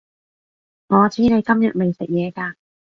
我知你今日未食嘢㗎